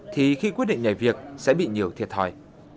thì khi quyết định nhảy việc sẽ bị nhiều thiệt thòi